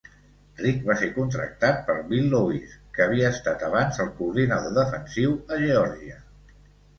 Richt va ser contractat per Bill Lewis, que havia estat abans el coordinador defensiu a Georgia.